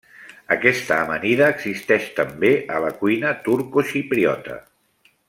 Aquesta amanida existeix també a la cuina turcoxipriota.